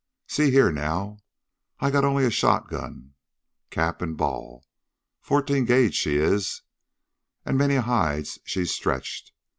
See here now, I got only a shotgun, cap an' ball, fourteen gauge, she is, an' many a hide she's stretched.